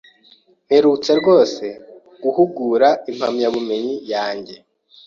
Mperutse rwose guhugura impamyabumenyi yanjye.